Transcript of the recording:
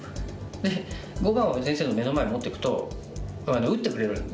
で碁盤を先生の目の前に持っていくと打ってくれるんで。